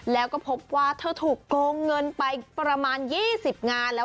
แล้วก็พบว่าเธอถูกโกงเงินไปประมาณ๒๐งานแล้ว